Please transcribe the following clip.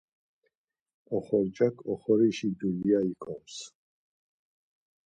Oxorcak oxorişi dulya ikoms.